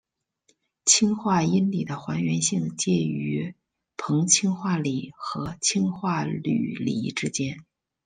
氢化铟锂的还原性介于硼氢化锂和氢化铝锂之间。